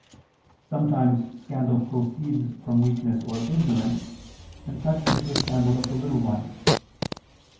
Sometimes scandal proceeds from weakness or ignorance, and such is the "scandal of little ones."